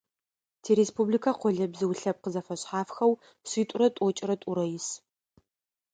Тиреспубликэ къолэбзыу лъэпкъ зэфэшъхьафэу шъитӏурэ тӏокӏырэ тӏурэ ис.